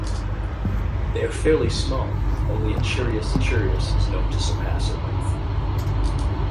They are fairly small; only "Achirus achirus" is known to surpass in length.